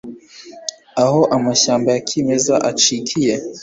Aho amashyamba ya kimeza acikiye,